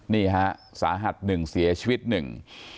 นี่ฮะสาหัสหนึ่งเสียชีวิตหนึ่ง